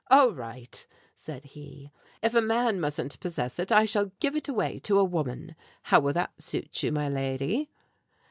"All right," said he, "if a man mustn't possess it, I shall give it away to a woman! How will that suit you, my lady?"